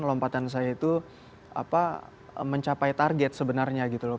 lompatan saya itu mencapai target sebenarnya gitu loh